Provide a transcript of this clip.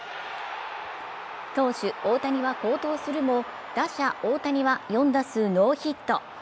投手・大谷は好投するも打者・大谷は４打数ノーヒット。